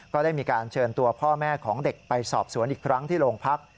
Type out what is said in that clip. ก็ได้มีการเชิญตัวพ่อแม่ของเด็กไปสอบสวนอีกครั้งที่โรงพัก